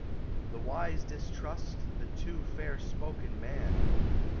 The wise distrust the too fair spoken man.